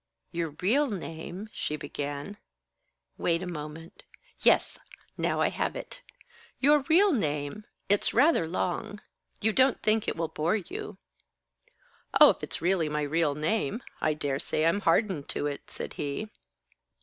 "Your real name " she began. "Wait a moment Yes, now I have it. Your real name It's rather long. You don't think it will bore you?" "Oh, if it's really my real name, I daresay I'm hardened to it," said he.